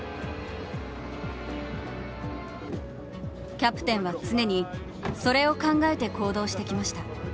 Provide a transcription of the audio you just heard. キャプテンは常にそれを考えて行動してきました。